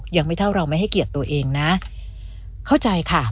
ยังไม่เท่าเราไม่ให้เกียรติตัวเองนะเข้าใจค่ะ